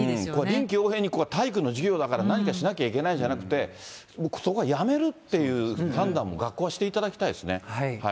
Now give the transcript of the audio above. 臨機応変に体育の授業だから何かしなきゃいけないじゃなくて、そこはやめるっていう判断も学校はしていただきたいですね。